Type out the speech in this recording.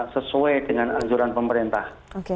sesuai dengan anjuran pemerintah